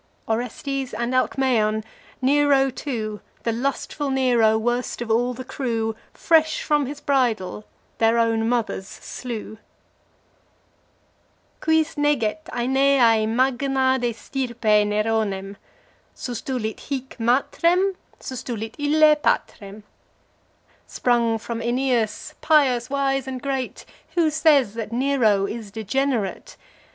Orestes and Alcaeon Nero too, The lustful Nero, worst of all the crew, Fresh from his bridal their own mothers slew. Quis neget Aeneae magna de stirpe Neronem? Sustulit hic matrem: sustulit ille patrem. Sprung from Aeneas, pious, wise and great, Who says that Nero is degenerate?